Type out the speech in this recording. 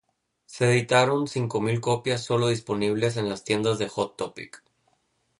Se editaron cinco mil copias sólo disponibles en las tiendas de Hot Topic.